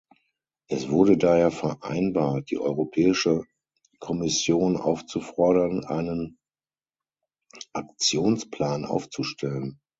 Es wurde daher vereinbart, die Europäische Kommission aufzufordern, einen Aktionsplan aufzustellen.